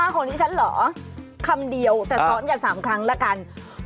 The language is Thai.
ของดิฉันเหรอคำเดียวแต่ซ้อนกัน๓ครั้งละกัน